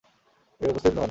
এ উপস্থিত হন।